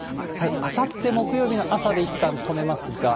あさって木曜日の朝でいったん止めますが。